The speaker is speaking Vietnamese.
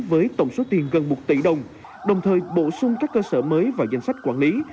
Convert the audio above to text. với tổng số tiền gần một tỷ đồng đồng thời bổ sung các cơ sở mới vào danh sách quản lý